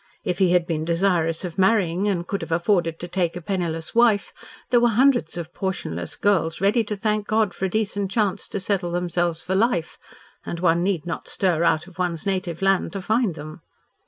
If he had been desirous of marrying and could have afforded to take a penniless wife, there were hundreds of portionless girls ready to thank God for a decent chance to settle themselves for life, and one need not stir out of one's native land to find them.